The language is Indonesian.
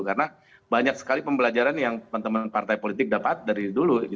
karena banyak sekali pembelajaran yang teman teman partai politik dapat dari dulu